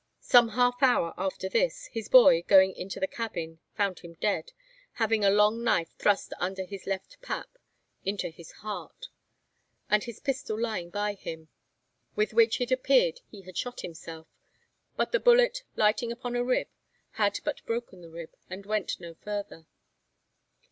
Some half hour after this, his boy, going into the cabin, found him dead, having a long knife thrust under his left pap into his heart, and his pistol lying by him, with which it appeared he had shot himself; but the bullet lighting upon a rib, had but broken the rib, and went no further.